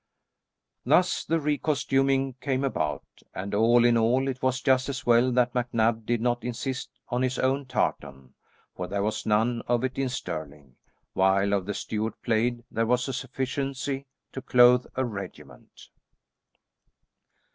Thus the re costuming came about, and all in all it was just as well that MacNab did not insist on his own tartan, for there was none of it in Stirling, while of the Stuart plaid there was a sufficiency to clothe a regiment.